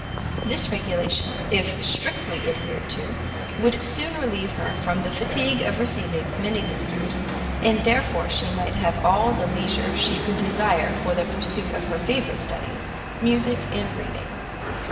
This regulation, if strictly adhered to, would soon relieve her from the fatigue of receiving many visitors, and therefore she might have all the leisure she could desire for the pursuit of her favourite studies, music and reading.